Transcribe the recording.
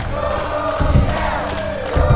saat dunia ke